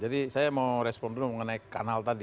jadi saya mau respon dulu mengenai kanal tadi